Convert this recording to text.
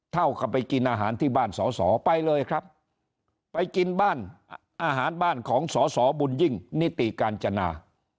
เท่ากับไปกินอาหารที่บ้านสอสอไปเลยครับไปกินบ้านอาหารบ้านของสอสอบุญยิ่งนิติกาญจนา